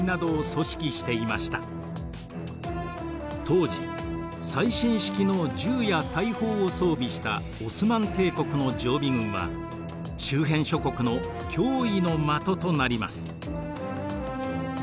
当時最新式の銃や大砲を装備したオスマン帝国の常備軍は周辺諸国の脅威の的となります。